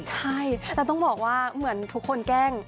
ใช่แล้วต้องบอกว่าเหมือนทุกคนแกล้ง